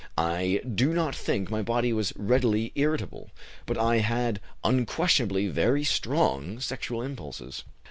I do not think my body was readily irritable, but I had unquestionably very strong sexual impulses.